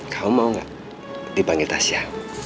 kamu mau gak dipanggil tasya